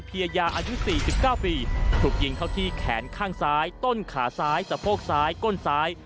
ยายาอายุ๔๙ปีถูกยิงเข้าที่แขนข้างซ้ายต้นขาซ้ายสะโพกซ้ายก้นซ้าย